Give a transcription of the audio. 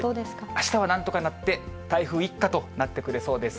あしたはなんとかなって、台風一過となってくれそうです。